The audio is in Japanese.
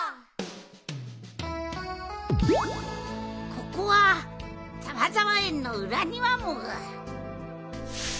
ここはざわざわえんのうらにわモグ！